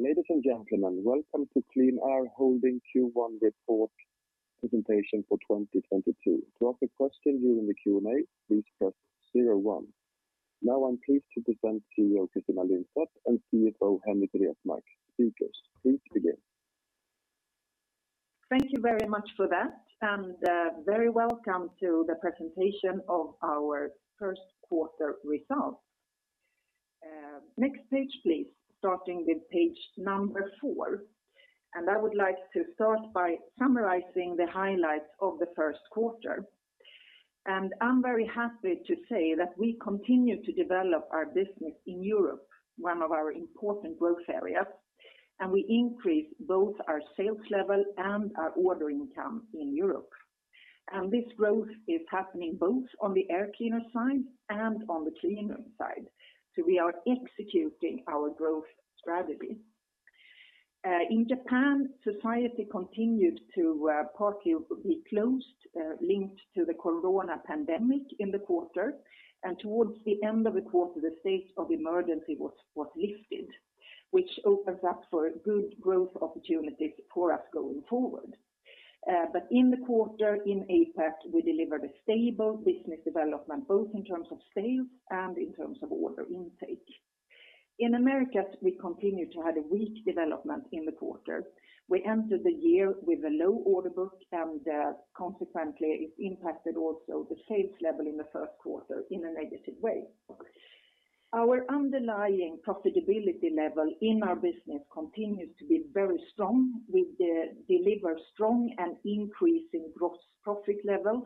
Ladies and gentlemen, welcome to QleanAir Q1 report presentation for 2022. To ask a question during the Q&A, please press zero one. Now I'm pleased to present CEO Christina Lindstedt and CFO Henrik Resmark. Speakers, please begin. Thank you very much for that, and very welcome to the presentation of our first quarter results. Next page, please. Starting with page number four, I would like to start by summarizing the highlights of the first quarter. I'm very happy to say that we continue to develop our business in Europe, one of our important growth areas, and we increase both our sales level and our order income in Europe. This growth is happening both on the air cleaner side and on the clean room side. We are executing our growth strategy. In Japan, society continued to partly be closed, linked to the COVID pandemic in the quarter. Towards the end of the quarter, the state of emergency was lifted, which opens up for good growth opportunities for us going forward. In the quarter in APAC, we delivered a stable business development both in terms of sales and in terms of order intake. In Americas, we continue to have a weak development in the quarter. We entered the year with a low order book, and consequently it impacted also the sales level in the first quarter in a negative way. Our underlying profitability level in our business continues to be very strong. We deliver strong and increasing gross profit levels,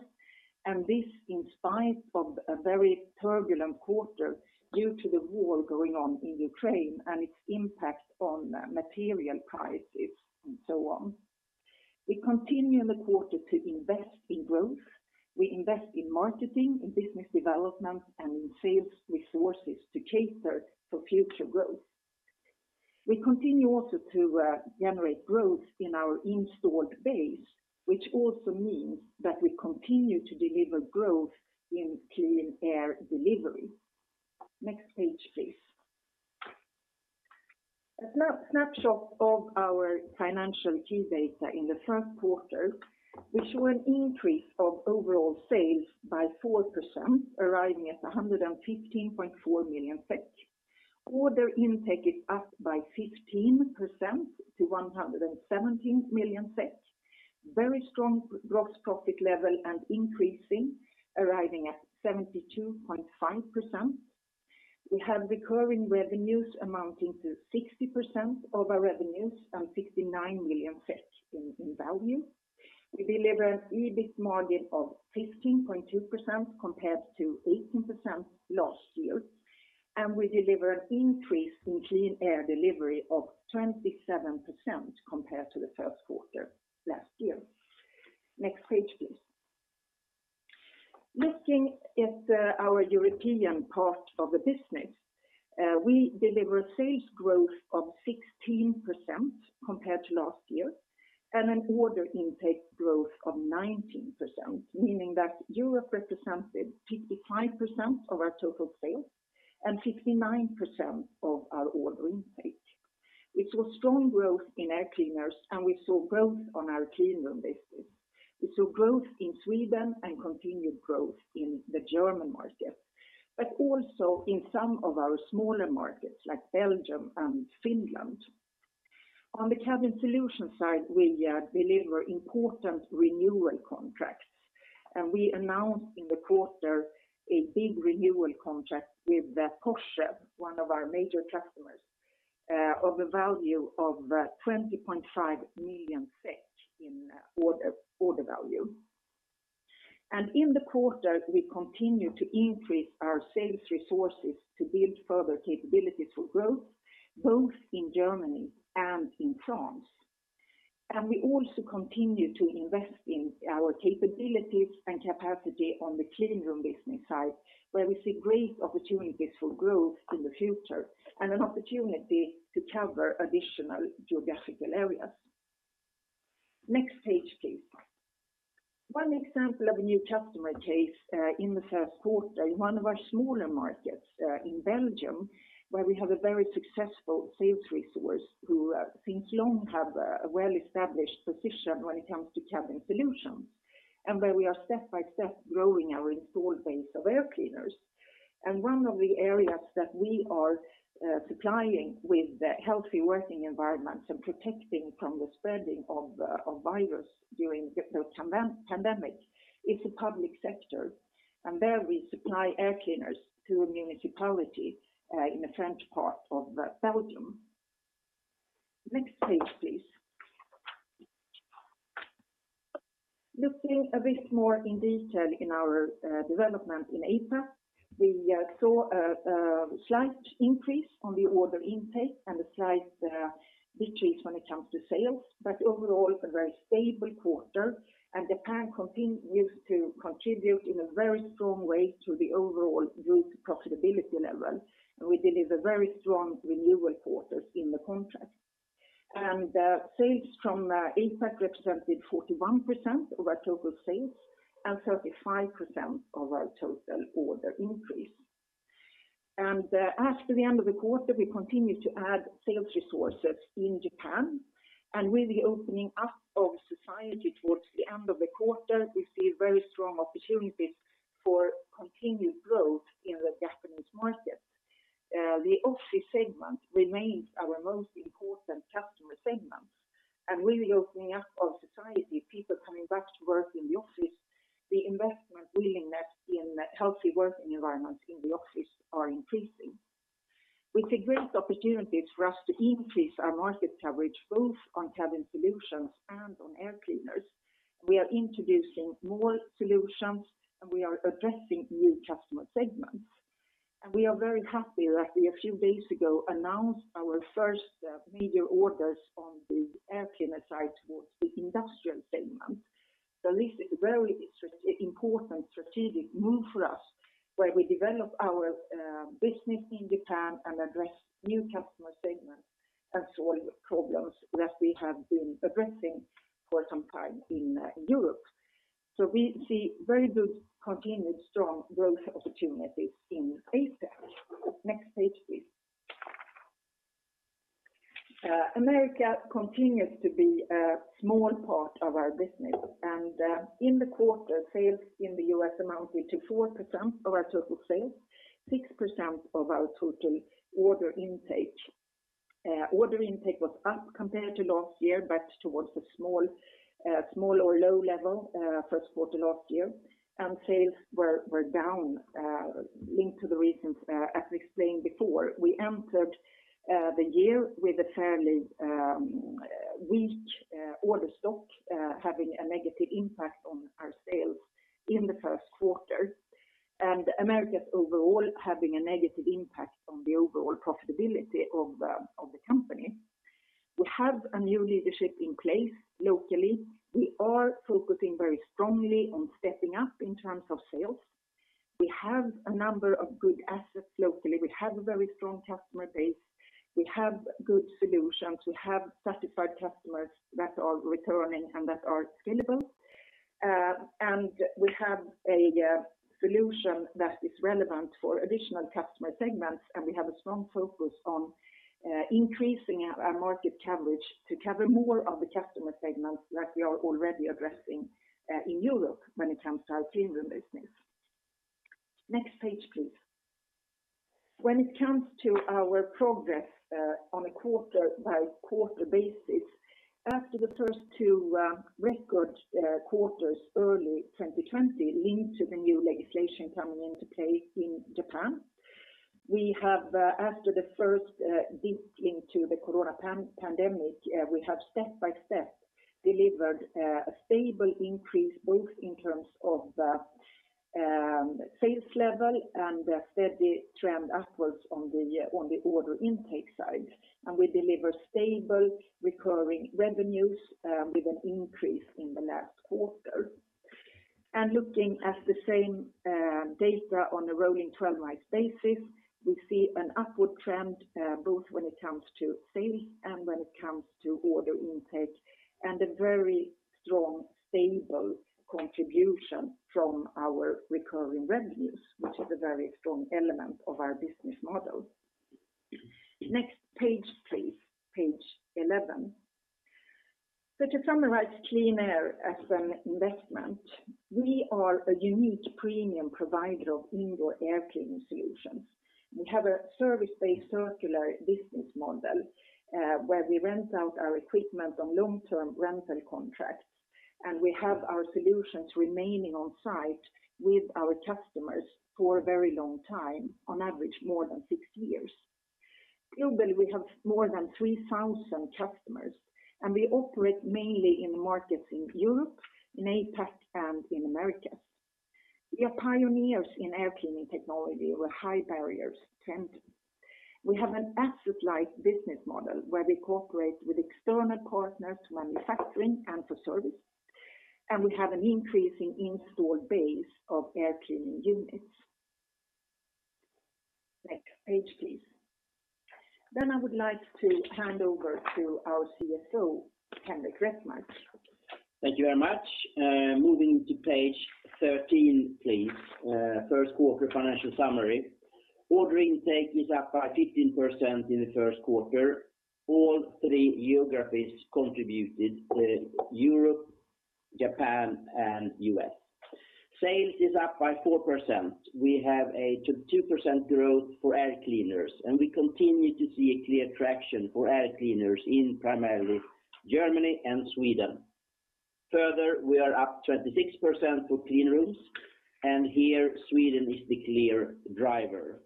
and this in spite of a very turbulent quarter due to the war going on in Ukraine and its impact on material prices and so on. We continue in the quarter to invest in growth. We invest in marketing and business development and sales resources to cater for future growth. We continue also to generate growth in our installed base, which also means that we continue to deliver growth in Clean air delivery. Next page, please. A snapshot of our financial key data in the first quarter, we saw an increase of overall sales by 4% arriving at 115.4 million SEK. Order intake is up by 15% to 117 million SEK. Very strong gross profit level and increasing, arriving at 72.5%. We have recurring revenues amounting to 60% of our revenues and 69 million in value. We deliver EBIT margin of 15.2% compared to 18% last year, and we deliver an increase in Clean air delivery of 27% compared to the first quarter last year. Next page, please. Looking at our European part of the business, we deliver sales growth of 16% compared to last year and an order intake growth of 19%, meaning that Europe represented 55% of our total sales and 59% of our order intake. We saw strong growth in Air Cleaners, and we saw growth on our Cleanrooms business. We saw growth in Sweden and continued growth in the German market, but also in some of our smaller markets like Belgium and Finland. On the Cabin Solutions side, we deliver important renewal contracts, and we announced in the quarter a big renewal contract with Porsche, one of our major customers, of the value of 20.5 million SEK in order value. In the quarter, we continue to increase our sales resources to build further capabilities for growth both in Germany and in France. We also continue to invest in our capabilities and capacity on the Cleanroom business side, where we see great opportunities for growth in the future and an opportunity to cover additional geographical areas. Next page, please. One example of a new customer case, in the first quarter in one of our smaller markets, in Belgium, where we have a very successful sales resource who, since long have a well-established position when it comes to Cabin Solutions and where we are step by step growing our installed base of Air Cleaners. One of the areas that we are supplying with the healthy working environments and protecting from the spreading of virus during the pandemic is the public sector, and there we supply Air Cleaners to a municipality in the French part of Belgium. Next page, please. Looking a bit more in detail in our development in APAC, we saw a slight increase on the order intake and a slight decrease when it comes to sales. Overall, it's a very stable quarter, and Japan continues to contribute in a very strong way to the overall group profitability level, and we deliver very strong renewal quarters in the country. Sales from APAC represented 41% of our total sales and 35% of our total order increase. After the end of the quarter, we continued to add sales resources in Japan. With the opening up of society towards the end of the quarter, we see very strong opportunities for continued growth in the Japanese market. The office segment remains our most important customer segment. With the opening up of society, people coming back to work in the office, the investment willingness in healthy working environments in the office are increasing. We see great opportunities for us to increase our market coverage both on Cabin Solutions and on Air Cleaners. We are introducing more solutions, and we are addressing new customer segments. We are very happy that we a few days ago announced our first major orders on the Air Cleaners side towards the industrial segment. This is very strategically important strategic move for us, where we develop our business in Japan and address new customer segments and solve problems that we have been addressing for some time in Europe. We see very good continued strong growth opportunities in APAC. Next page, please. America continues to be a small part of our business, and in the quarter, sales in the U.S. amounted to 4% of our total sales, 6% of our total order intake. Order intake was up compared to last year, but towards the small or low level first quarter last year. Sales were down linked to the reasons as we explained before. We entered the year with a fairly weak order stock having a negative impact on our sales in the first quarter, and Americas overall having a negative impact on the overall profitability of the company. We have a new leadership in place locally. We are focusing very strongly on stepping up in terms of sales. We have a number of good assets locally. We have a very strong customer base. We have good solutions. We have satisfied customers that are returning and that are scalable. We have a solution that is relevant for additional customer segments, and we have a strong focus on increasing our market coverage to cover more of the customer segments that we are already addressing in Europe when it comes to our clean room business. Next page, please. When it comes to our progress, on a quarter-by-quarter basis, after the first two record quarters early 2020 linked to the new legislation coming into play in Japan, after the first dip into the coronavirus pandemic, we have step by step delivered a stable increase both in terms of sales level and a steady trend upwards on the order intake side. We deliver stable recurring revenues, with an increase in the last quarter. Looking at the same data on a rolling 12-month basis, we see an upward trend both when it comes to sales and when it comes to order intake, and a very strong, stable contribution from our recurring revenues, which is a very strong element of our business model. Next page, please. Page 11. To summarize QleanAir as an investment, we are a unique premium provider of indoor air cleaning solutions. We have a service-based circular business model, where we rent out our equipment on long-term rental contracts, and we have our solutions remaining on site with our customers for a very long time, on average more than six years. Globally, we have more than 3,000 customers, and we operate mainly in markets in Europe, in APAC, and in Americas. We are pioneers in air cleaning technology with high barriers to entry. We have an asset-light business model where we cooperate with external partners for manufacturing and for service, and we have an increasing installed base of air cleaning units. Next page, please. I would like to hand over to our CFO, Henrik Resmark. Thank you very much. Moving to page 13, please, first quarter financial summary. Order intake is up by 15% in the first quarter. All three geographies contributed, Europe, Japan, and U.S. Sales is up by 4%. We have a 2% growth for Air Cleaners, and we continue to see a clear traction for Air Cleaners in primarily Germany and Sweden. Further, we are up 26% for Cleanrooms, and here Sweden is the clear driver.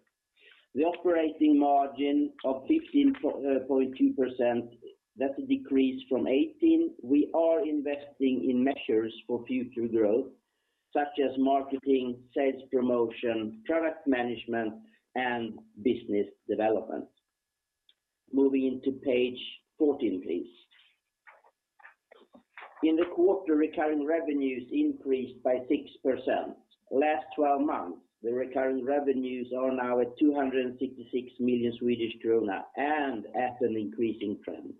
The operating margin of 15.2%, that's a decrease from 18%. We are investing in measures for future growth, such as marketing, sales promotion, product management, and business development. Moving to page 14, please. In the quarter recurring revenues increased by 6%. Last 12 months, the recurring revenues are now at 266 million Swedish krona and at an increasing trend.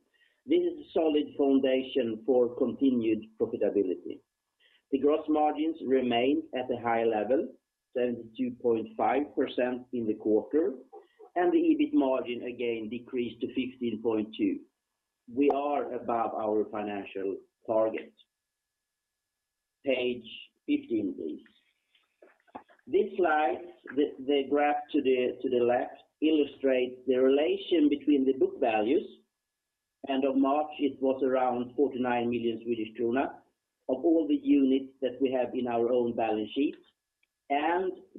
This is a solid foundation for continued profitability. The gross margins remained at a high level, 72.5% in the quarter, and the EBIT margin again decreased to 15.2%. We are above our financial target. Page 15, please. This slide, the graph to the left illustrates the relation between the book values, and on March, it was around 49 million Swedish krona of all the units that we have in our own balance sheet.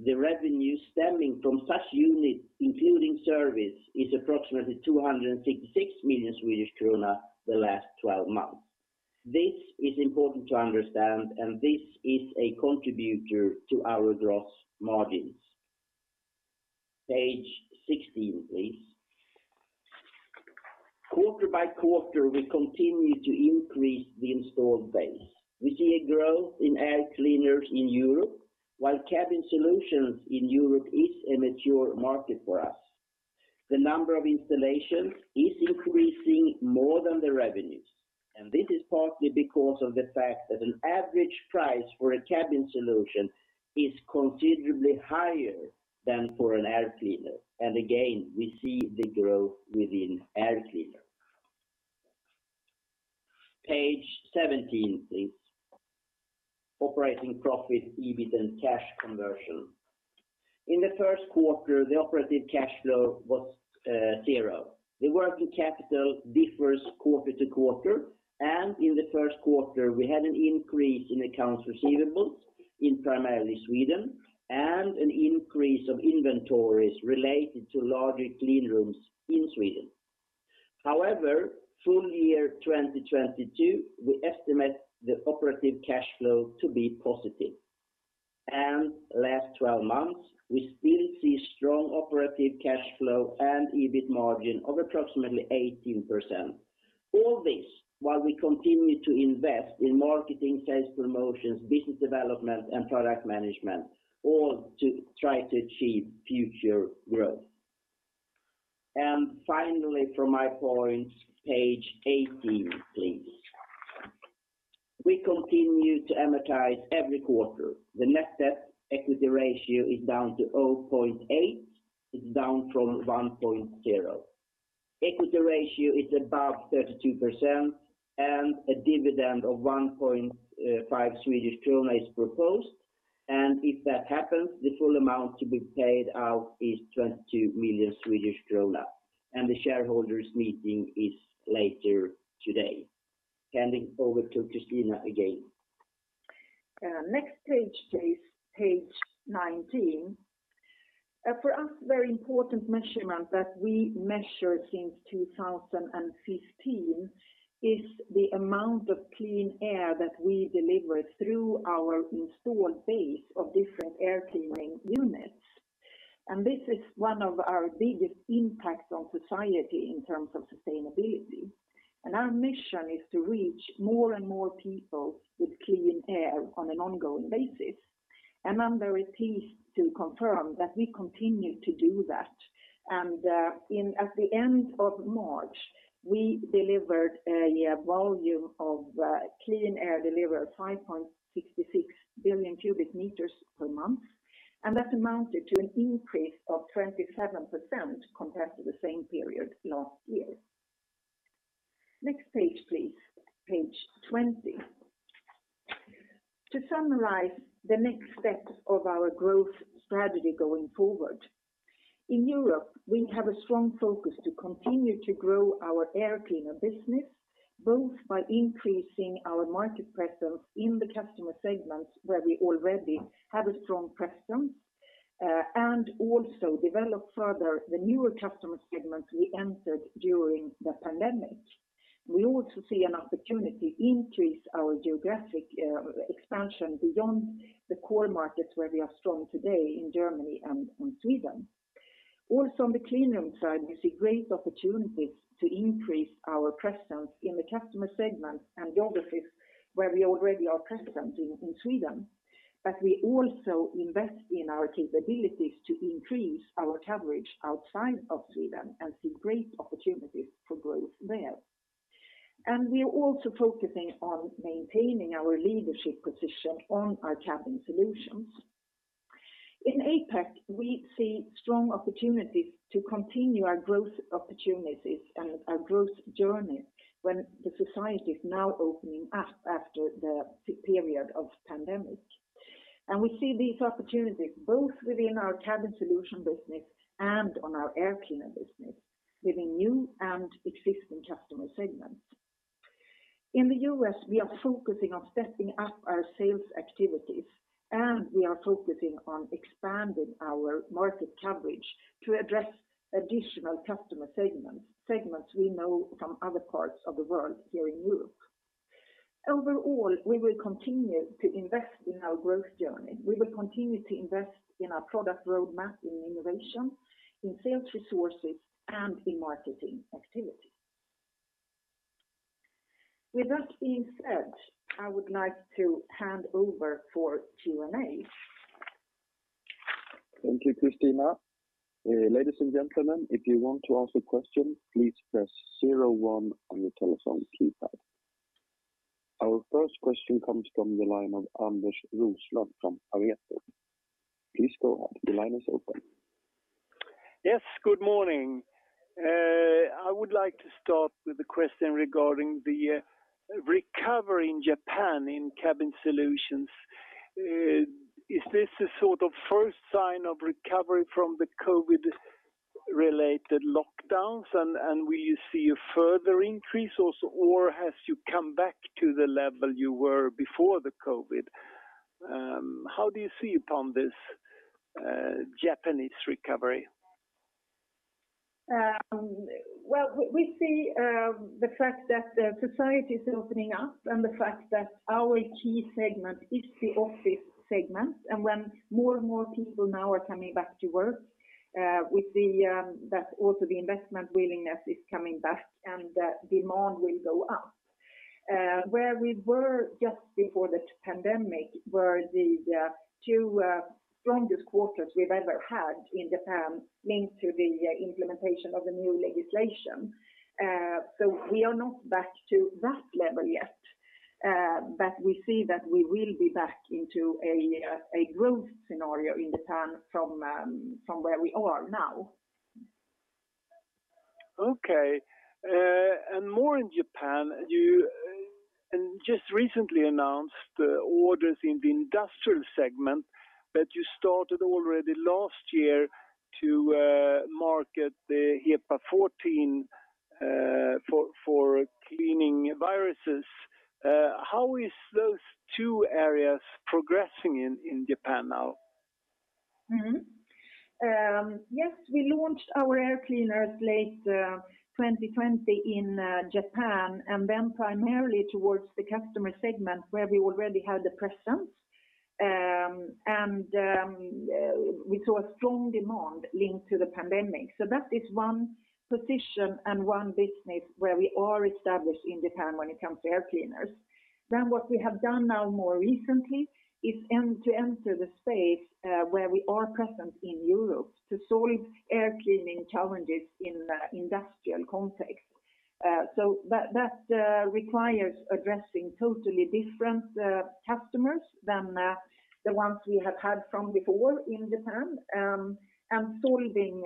The revenue stemming from such units, including service, is approximately 266 million Swedish krona the last 12 months. This is important to understand, and this is a contributor to our gross margins. Page 16, please. Quarter-by-quarter, we continue to increase the installed base. We see a growth in Air Cleaners in Europe, while cabin solutions in Europe is a mature market for us. The number of installations is increasing more than the revenues. This is partly because of the fact that an average price for a cabin solution is considerably higher than for an air cleaner. Again, we see the growth within air cleaner. Page 17, please. Operating profit, EBIT and cash conversion. In the first quarter, the operative cash flow was zero. The working capital differs quarter to quarter, and in the first quarter, we had an increase in accounts receivables in primarily Sweden and an increase of inventories related to larger clean rooms in Sweden. However, full year 2022, we estimate the operative cash flow to be positive. Last 12 months, we still see strong operative cash flow and EBIT margin of approximately 18%. All this while we continue to invest in marketing, sales promotions, business development, and product management, all to try to achieve future growth. Finally, from my point, page 18, please. We continue to amortize every quarter. The net debt equity ratio is down to 0.8, it's down from 1.0. Equity ratio is above 32%, and a dividend of 1.5 Swedish krona is proposed. If that happens, the full amount to be paid out is 22 million Swedish krona, and the shareholders meeting is later today. Handing over to Christina again. Next page, please. Page 19. For us, very important measurement that we measure since 2015 is the amount of clean air that we deliver through our installed base of different air cleaning units. This is one of our biggest impacts on society in terms of sustainability. Our mission is to reach more and more people with clean air on an ongoing basis. I'm very pleased to confirm that we continue to do that. At the end of March, we delivered a volume of clean air delivered 5.66 billion cu m per month, and that amounted to an increase of 27% compared to the same period last year. Next page, please. Page 20. To summarize the next steps of our growth strategy going forward. In Europe, we have a strong focus to continue to grow our Air Cleaner business, both by increasing our market presence in the customer segments where we already have a strong presence, and also develop further the newer customer segments we entered during the pandemic. We also see an opportunity to increase our geographic expansion beyond the core markets where we are strong today in Germany and in Sweden. Also, on the Cleanroom side, we see great opportunities to increase our presence in the customer segment and geographies where we already are present in Sweden. We also invest in our capabilities to increase our coverage outside of Sweden and see great opportunities for growth there. We are also focusing on maintaining our leadership position on our Cabin Solutions. In APAC, we see strong opportunities to continue our growth opportunities and our growth journey when the society is now opening up after the period of pandemic. We see these opportunities both within our Cabin Solutions business and on our Air Cleaners business within new and existing customer segments. In the U.S., we are focusing on stepping up our sales activities, and we are focusing on expanding our market coverage to address additional customer segments we know from other parts of the world here in Europe. Overall, we will continue to invest in our growth journey. We will continue to invest in our product roadmap in innovation, in sales resources, and in marketing activities. With that being said, I would like to hand over for Q&A. Thank you, Christina. Ladies and gentlemen, if you want to ask a question, please press zero one on your telephone keypad. Our first question comes from the line of Anders Roslund from Pareto Securities. Please go ahead. The line is open. Yes. Good morning. I would like to start with a question regarding the recovery in Japan in Cabin Solutions. Is this a sort of first sign of recovery from the COVID-related lockdowns and will you see a further increase also, or have you come back to the level you were before the COVID? How do you see upon this Japanese recovery? Well, we see the fact that society is opening up and the fact that our key segment is the office segment. When more and more people now are coming back to work, we see that also the investment willingness is coming back and that demand will go up. Where we were just before this pandemic were the two strongest quarters we've ever had in Japan linked to the implementation of the new legislation. We are not back to that level yet, but we see that we will be back into a growth scenario in Japan from where we are now. Okay. More in Japan, you just recently announced orders in the industrial segment that you started already last year to market the HEPA 14 for cleaning viruses. How is those two areas progressing in Japan now? Yes, we launched our Air Cleaners late 2020 in Japan and then primarily towards the customer segment where we already had the presence. We saw a strong demand linked to the pandemic. That is one position and one business where we are established in Japan when it comes to Air Cleaners. What we have done now more recently is to enter the space where we are present in Europe to solve air cleaning challenges in a industrial context. That requires addressing totally different customers than the ones we have had from before in Japan and solving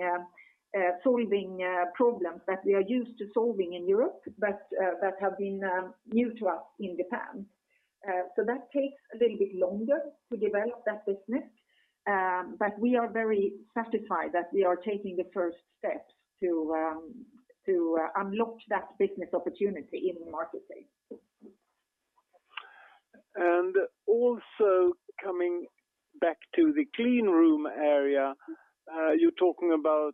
problems that we are used to solving in Europe, but that have been new to us in Japan. That takes a little bit longer to develop that business, but we are very satisfied that we are taking the first steps to unlock that business opportunity in the market space. Also coming back to the Cleanroom area, you're talking about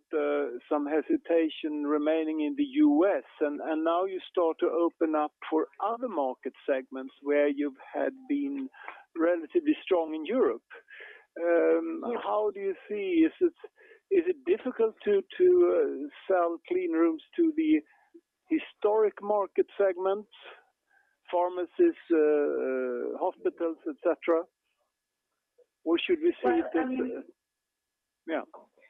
some hesitation remaining in the U.S. and now you start to open up for other market segments where you've had been relatively strong in Europe. Uh-... how do you see? Is it difficult to sell Cleanrooms to the historic market segments, pharmacies, hospitals, et cetera? Or should we see it as a- Well, I mean. Yeah.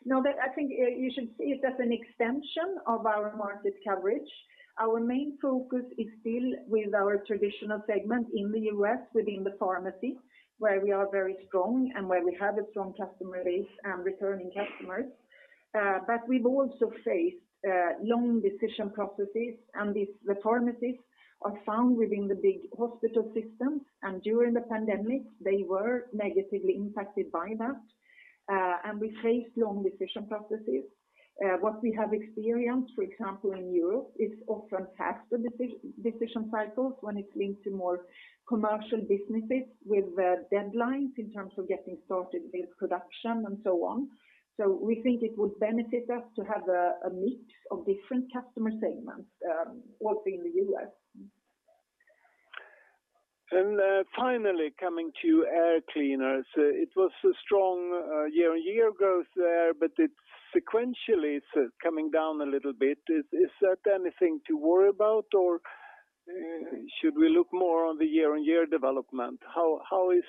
No, I think you should see it as an extension of our market coverage. Our main focus is still with our traditional segment in the U.S. within the pharmacy, where we are very strong and where we have a strong customer base and returning customers. We've also faced long decision processes, and the pharmacies are found within the big hospital system, and during the pandemic, they were negatively impacted by that. We faced long decision processes. What we have experienced, for example, in Europe is often faster decision cycles when it's linked to more commercial businesses with deadlines in terms of getting started with production and so on. We think it would benefit us to have a mix of different customer segments, also in the U.S.. Finally coming to Air Cleaners, it was a strong year-over-year growth there, but it's sequentially coming down a little bit. Is that anything to worry about, or should we look more on the year-over-year development? How is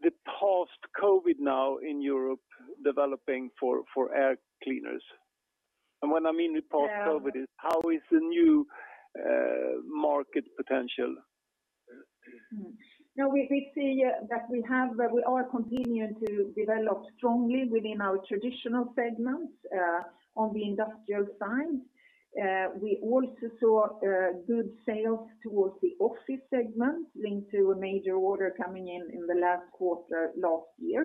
the post-COVID now in Europe developing for Air Cleaners? When I mean the post-COVID- Yeah... is how is the new, market potential? No, we see that we are continuing to develop strongly within our traditional segments on the industrial side. We also saw good sales towards the office segment linked to a major order coming in in the last quarter last year.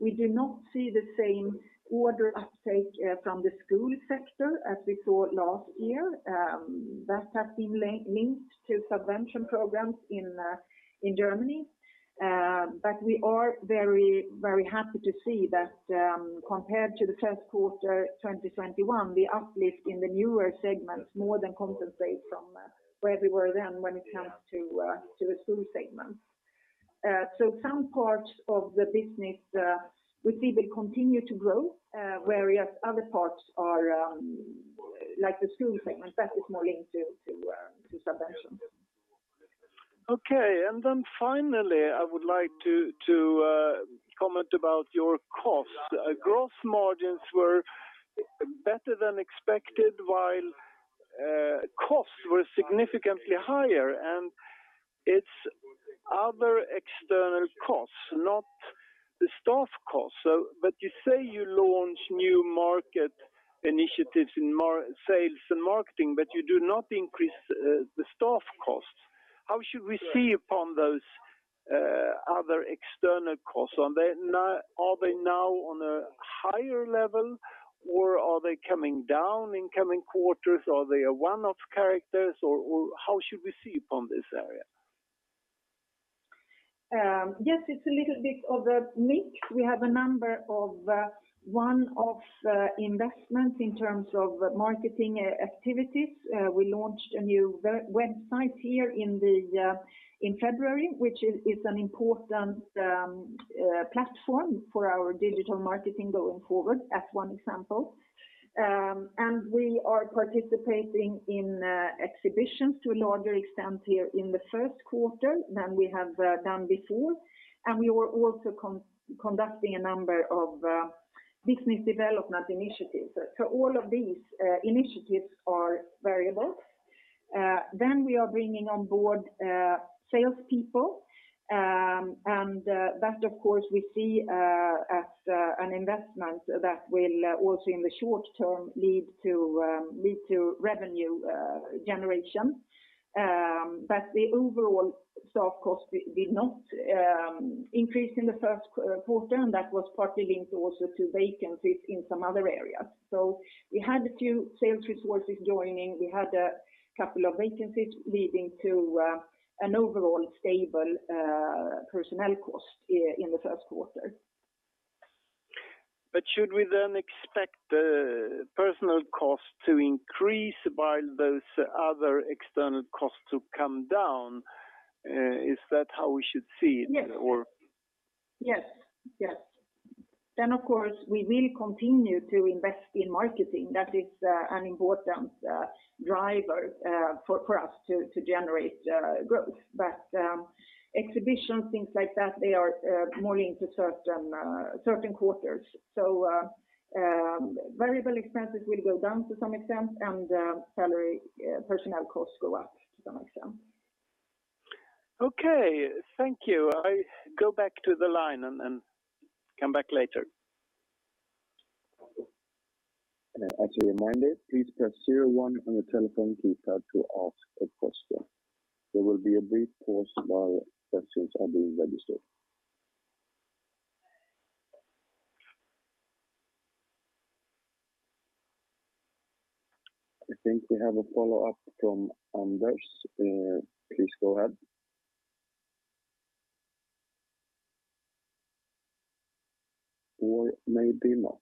We do not see the same order uptake from the school sector as we saw last year, that has been linked to subvention programs in Germany. We are very, very happy to see that, compared to the first quarter 2021, the uplift in the newer segments more than compensates for where we were then when it comes to the school segment. Some parts of the business we see will continue to grow, whereas other parts are like the school segment that is more linked to subvention. Okay. Finally, I would like to comment about your costs. Gross margins were better than expected, while costs were significantly higher, and it's other external costs, not the staff costs. You say you launch new market initiatives in sales and marketing, but you do not increase the staff costs. How should we see upon those other external costs? Are they now on a higher level, or are they coming down in coming quarters? Are they a one-off characters, or how should we see upon this area? Yes, it's a little bit of a mix. We have a number of one-off investments in terms of marketing activities. We launched a new website here in February, which is an important platform for our digital marketing going forward, as one example. We are participating in exhibitions to a larger extent here in the first quarter than we have done before. We were also conducting a number of business development initiatives. All of these initiatives are variable. We are bringing on board salespeople, and that of course we see as an investment that will also in the short term lead to revenue generation. The overall staff cost did not increase in the first quarter, and that was partly linked also to vacancies in some other areas. We had a few sales resources joining. We had a couple of vacancies leading to an overall stable personnel cost in the first quarter. Should we then expect personal costs to increase while those other external costs to come down? Is that how we should see it? Yes. Or... Yes. Of course, we will continue to invest in marketing. That is an important driver for us to generate growth. Exhibitions, things like that, they are more into certain quarters. Variable expenses will go down to some extent and salary, personnel costs go up to some extent. Okay, thank you. I go back to the line and come back later. As a reminder, please press zero one on your telephone keypad to ask a question. There will be a brief pause while questions are being registered. I think we have a follow-up from Anders. Please go ahead. Or maybe not.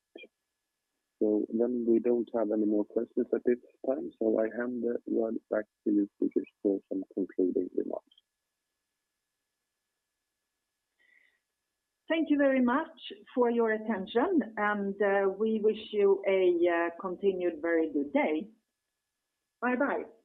We don't have any more questions at this time, so I hand the word back to you, Christina, for some concluding remarks. Thank you very much for your attention, and we wish you a continued very good day. Bye-bye.